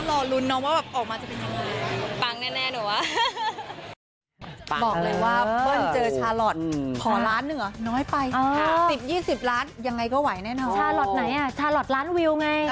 ก็รอลุ้นน้องว่าออกมาจะเป็นช่างไร